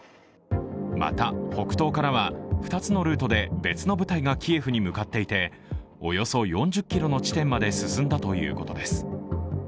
また、北東からは、２つのルートで別の部隊がキエフに向かっていておよそ４０ｋｍの地点まで進んだということです。